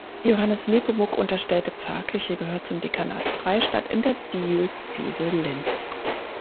Johannes Nepomuk unterstellte Pfarrkirche gehört zum Dekanat Freistadt in der Diözese Linz.